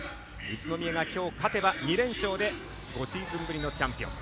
宇都宮がきょう、勝てば２連勝で５シーズンぶりのチャンピオン。